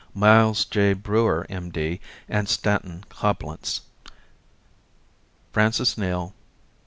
Miles J. Brewer, M. D., and Stanton Coblentz Francis Neal, R.